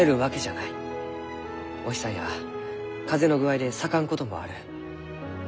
お日さんや風の具合で咲かんこともある。